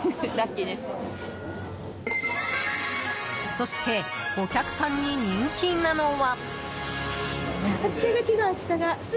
そしてお客さんに人気なのは。